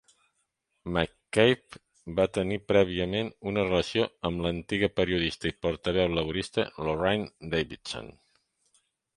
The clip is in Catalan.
McCabe va tenir prèviament una relació amb l'antiga periodista i portaveu laborista Lorraine Davidson.